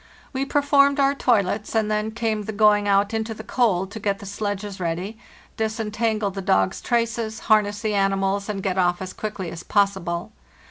We performed our toilets, and then came the going out into the cold to get the sledges ready, disentangle the dogs' traces, harness the animals, and get off as quickly as possible.